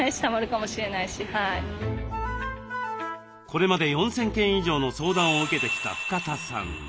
これまで４，０００件以上の相談を受けてきた深田さん